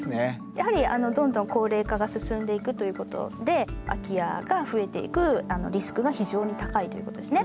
やはりどんどん高齢化が進んでいくということで空き家が増えていくリスクが非常に高いということですね。